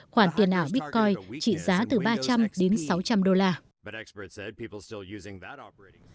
khoản tiền ảo bitcoin trị giá từ ba trăm linh đến sáu trăm linh đô la